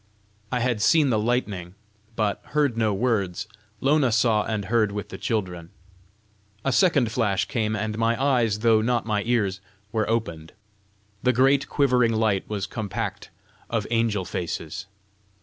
'" I had seen the lightning, but heard no words; Lona saw and heard with the children. A second flash came, and my eyes, though not my ears, were opened. The great quivering light was compact of angel faces.